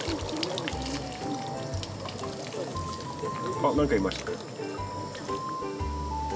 あっ何かいました。